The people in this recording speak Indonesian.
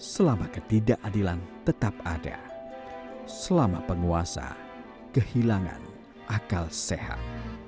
selama ketidakadilan tetap ada selama penguasa kehilangan akal sehat